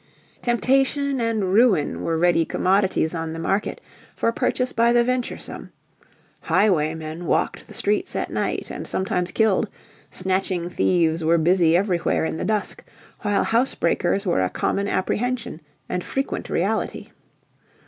Temptation and ruin were ready commodities on the market for purchase by the venturesome; highwaymen walked the streets at night and sometimes killed; snatching thieves were busy everywhere in the dusk; while house breakers were a common apprehension and frequent reality.